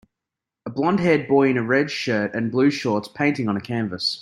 A blondhaired boy in a red shirt and blue shorts painting on a canvas.